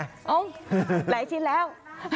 เอ้าหลายชิ้นแล้ว